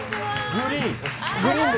グリーン。